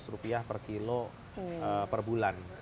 seratus rupiah per kilo per bulan